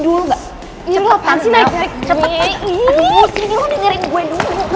aduh gue sini lo dengerin gue dulu